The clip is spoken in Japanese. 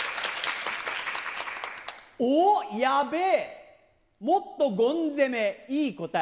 おおやべぇ、もっとゴン攻め、いい答え。